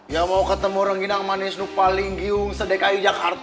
ya mau ketemu orang gini yang paling gini di jakarta